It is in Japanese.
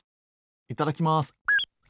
いただきます。